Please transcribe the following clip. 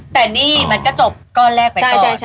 แต่นี่มันก็จบก็แลกไปก่อน